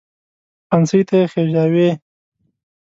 پانسۍ ته یې خېژاوې.